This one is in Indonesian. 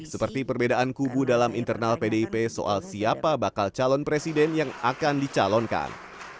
seperti perbedaan kubu dalam internal pdip soal siapa bakal calon presiden yang akan dicalonkan